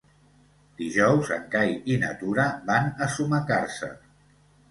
Dijous en Cai i na Tura van a Sumacàrcer.